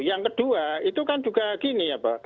yang kedua itu kan juga gini